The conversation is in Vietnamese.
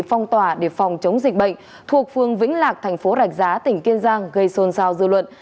phong tỏa để phòng chống dịch bệnh thuộc phương vĩnh lạc thành phố rạch giá tỉnh kiên giang gây xôn xao dư luận